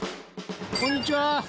こんにちは。